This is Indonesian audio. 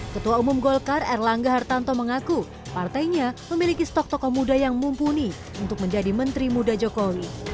ketua umum golkar erlangga hartanto mengaku partainya memiliki stok tokoh muda yang mumpuni untuk menjadi menteri muda jokowi